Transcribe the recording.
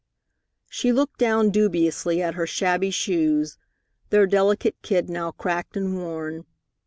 She looked down dubiously at her shabby shoes, their delicate kid now cracked and worn.